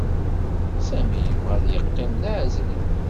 Sami yebɣa ad yeqqim d-aɛezri.